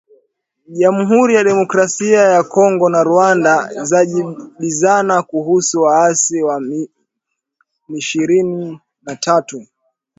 Jamuhuri ya kidemokrasia ya Kongo na Rwanda zajibizana kuhusu waasi wa M ishirni na tatu